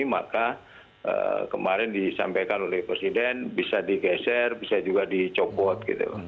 maka kemarin disampaikan oleh presiden bisa digeser bisa juga dicopot gitu